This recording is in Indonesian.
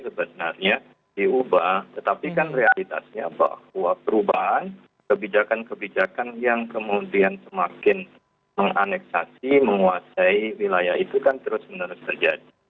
sebenarnya diubah tetapi kan realitasnya bahwa perubahan kebijakan kebijakan yang kemudian semakin menganeksasi menguasai wilayah itu kan terus menerus terjadi